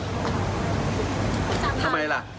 ประธานทรัพย์ทำไมล่ะ